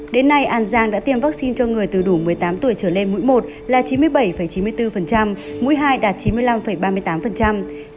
đến nay an giang đã tiêm vaccine cho người từ đủ một mươi tám tuổi trở lên mũi một là chín mươi bảy chín mươi bốn mũi hai đạt chín mươi năm ba mươi tám